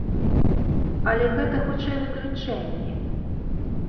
Але гэта, хутчэй, выключэнні.